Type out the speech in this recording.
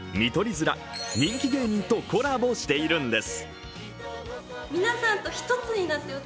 図ら人気芸人とコラボしているんです。